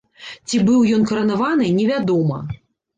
Ці быў ён каранаваны невядома.